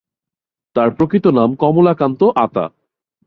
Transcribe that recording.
তাঁর প্রকৃত নাম কমলাকান্ত আতা।